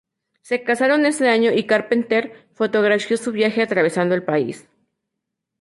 Se casaron ese año y Carpenter fotografió su viaje atravesando el país.